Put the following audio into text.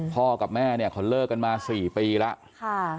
พ่อกับแม่เนี่ยเขาเลิกกันมา๔ปีแล้ว